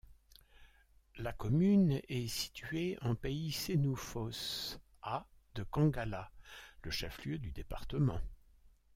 La commune est située en pays sénoufos à de Kangala, le chef-lieu du département.